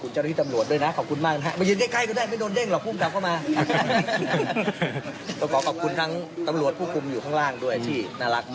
อ๋อจอน้องที่อยู่ข้างล่าง